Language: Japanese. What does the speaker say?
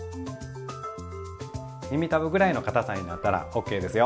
耳たぶぐらいのかたさになったらＯＫですよ。